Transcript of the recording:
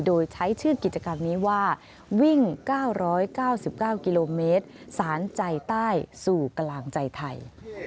โดยใช้ชื่อกิจกรรมนี้ว่าวิ่ง๙๙๙กิโลเมตรสารใจใต้สู่กลางใจไทย